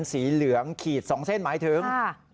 สีเหลืองขีด๒เส้นหมายถึง